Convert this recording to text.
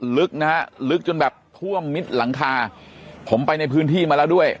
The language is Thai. ลึกนะฮะลึกจนแบบท่วมมิดหลังคาผมไปในพื้นที่มาแล้วด้วย